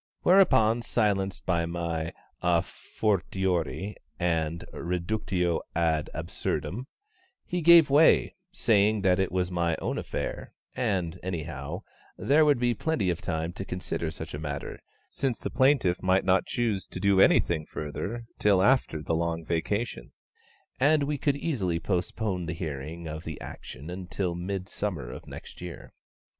Whereupon, silenced by my a fortiori and reductio ad absurdum, he gave way, saying that it was my own affair, and, anyhow, there would be plenty of time to consider such a matter, since the plaintiff might not choose to do anything further till after the Long Vacation, and we could easily postpone the hearing of the action until the Midsummer of next year.